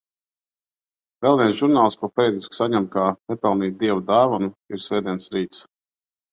Vēl viens žurnāls, ko periodiski saņemu kā nepelnītu Dieva dāvanu, ir Svētdienas Rīts.